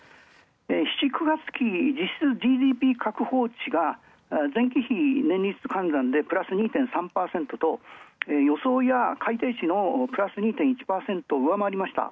７、９月期ＧＤＰ確報値が前期比換算でプラス２．３％と予想や改定値のプラス２．１％上回りました。